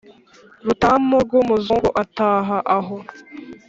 Rutamu rw'umuzungu ataha aho!